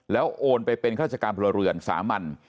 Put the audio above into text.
แล้วโอนไปเป็นข้าราชการพลเรือนสามัญ